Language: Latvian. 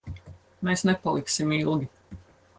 Mēs nepaliksim ilgi.